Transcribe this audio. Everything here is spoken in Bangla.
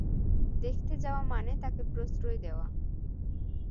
দেখতে যাওয়া মানে তাকে প্রশ্রয় দেওয়া।